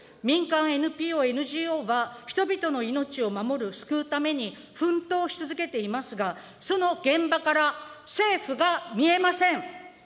民間ＮＰＯ・ＮＧＯは人々の命を守る、救うために奮闘し続けていますが、その現場から政府が見えません。